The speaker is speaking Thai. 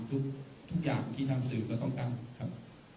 ทุกอย่างที่ทางสื่อก็ต้องกันครับ